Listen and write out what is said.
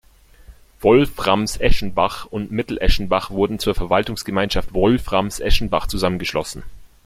Wolframs-Eschenbach und Mitteleschenbach wurden zur Verwaltungsgemeinschaft Wolframs-Eschenbach zusammen geschlossen.